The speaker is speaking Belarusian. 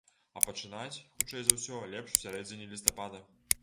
А пачынаць, хутчэй за ўсё, лепш у сярэдзіне лістапада.